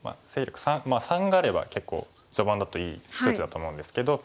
３があれば結構序盤だといい数値だと思うんですけど。